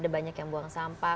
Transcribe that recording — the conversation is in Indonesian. ada banyak yang buang sampah